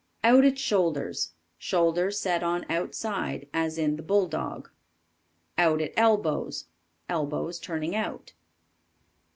Out at Shoulders. Shoulders set on outside, as in the Bulldog. Out at Elbows. Elbows turning out.